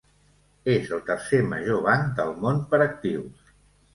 És el tercer major banc del món per actius.